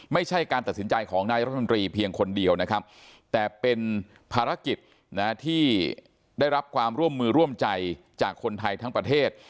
ไม่ใช่การตัดสินใจของนายรัฐมนตรีเพียงคนเดียวนะครับแต่เป็นภารกิจที่ได้รับความร่วมมือร่วมใจจากคนไทยทั้งประเทศ